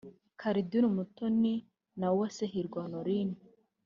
Cardine Umutoni na Uwase Hirwa Honorine